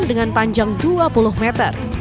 dengan panjang dua puluh meter